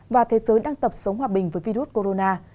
và thế giới đang tập sống hòa bình với virus corona